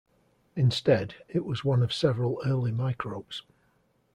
Instead, it was one of several early microbes.